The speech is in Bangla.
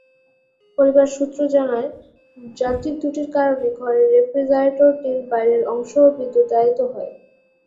পরিবার সূত্র জানায়, যান্ত্রিক ত্রুটির কারণে ঘরের রেফ্রিজারেটরটির বাইরের অংশও বিদ্যুতায়িত হয়।